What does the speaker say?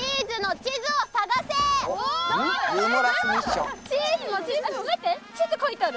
地図描いてある。